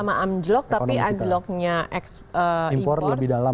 sama sama anjlok tapi anjloknya impor lebih dalam